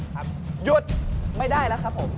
หยุดไม่ได้แล้วครับผม